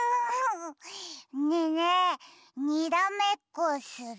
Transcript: ねえねえにらめっこする？